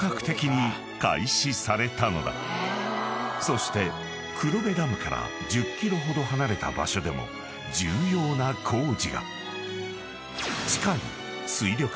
［そして黒部ダムから１０ｋｍほど離れた場所でも重要な工事が］